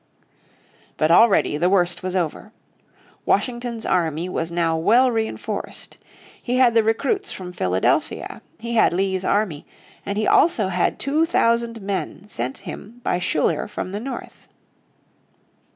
But already the worst was over. Washington's army was now well reinforced. He had the recruits from Philadelphia, he had Lee's army, and he also had two thousand men sent him by Schuyler from the north.